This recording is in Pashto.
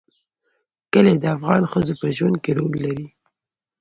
کلي د افغان ښځو په ژوند کې رول لري.